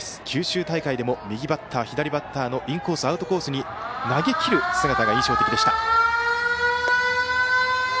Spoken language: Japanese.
九州大会でも右バッター、左バッターのインコース、アウトコースに投げきる姿が印象的でした。